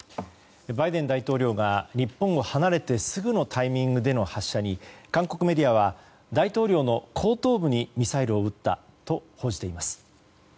バイデン大統領が日本を離れてすぐのタイミングでの発射に韓国メディアは大統領の後頭部にミサイルを撃ったと報じています。